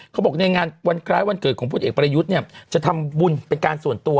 เขาบอกในงานวันคล้ายวันเกิดของพลเอกประยุทธ์เนี่ยจะทำบุญเป็นการส่วนตัว